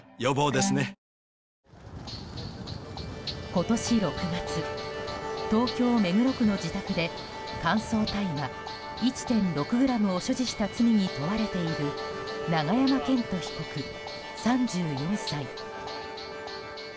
今年６月東京・目黒区の自宅で乾燥大麻１．６ｇを所持した罪に問われている永山絢斗被告、３４歳。